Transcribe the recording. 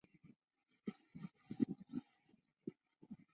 卵叶轮草为茜草科拉拉藤属下的一个种。